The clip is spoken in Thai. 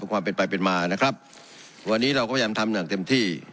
ความเป็นไปเป็นมานะครับวันนี้เราก็พยายามทำอย่างเต็มที่